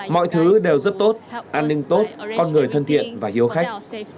mọi thứ đều rất tốt an ninh tốt con người thân thiện và hiếu khách